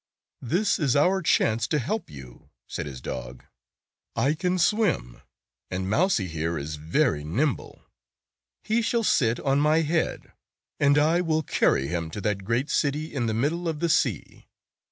"This is our chance to help you," said his dog. "I can swim, and Mousie here is very nimble. He shall sit on my head, and I will carry him to that great city in the middle of the sea.